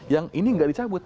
yang ini gak dicabut